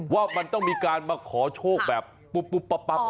ว่ามันต้องมีการมาขอโชคแบบปุ๊บปั๊บ